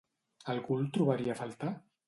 Algú el trobaria a faltar?